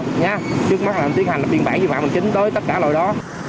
trước mắt là em tiến hành biên bản dự phạm mình chính đối với tất cả lỗi đó